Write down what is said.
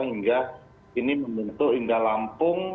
hingga ini membentuk hingga lampung